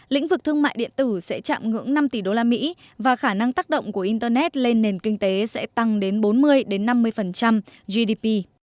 lĩnh vực thương mại điện tử sẽ chạm ngưỡng năm tỷ usd và khả năng tác động của internet lên nền kinh tế sẽ tăng đến bốn mươi năm mươi gdp